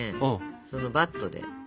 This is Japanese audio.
そのバットで。